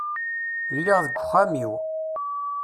Lliɣ deg uxxam-iw.